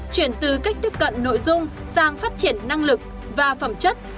chuyển từ cách tiếp cận nội dung sang phát triển năng lực và phẩm chất